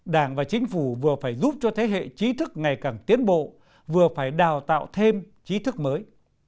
đảng và chính phủ vừa phải giúp cho thế hệ trí thức ngày càng tiến bộ vừa phải đào tạo thêm trí thức mới